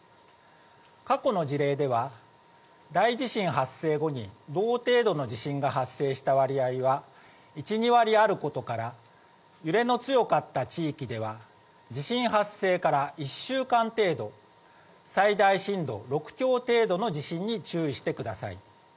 過去の事例では、大地震発生後に、同程度の地震が発生した割合は、１、２割あることから、揺れの強かった地域では、地震発生から１週間程度、最大震度６強程度の地震に注意してください。